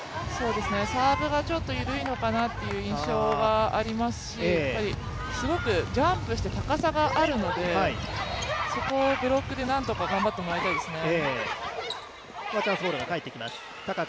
サーブがちょっと緩いのかなという印象がありますしすごくジャンプして高さがあるので、そこをブロックでなんとか頑張ってもらいたいですね。